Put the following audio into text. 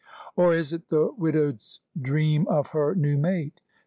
Or is't the widowed's dream of her new mate?